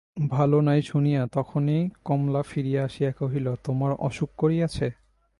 ভালো নাই শুনিয়া তখনি কমলা ফিরিয়া আসিয়া কহিল, তোমার অসুখ করিয়াছে?